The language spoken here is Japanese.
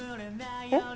えっ？